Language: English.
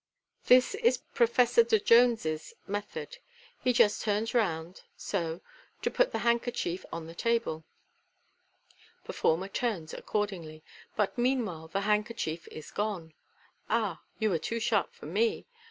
This is Professor De Jones's method. He just turns round, so, to put the handkerchief on the table" (performer turns accordingly), "but meanwhile the hand kerchief is gone. Ah, you were too sharp for me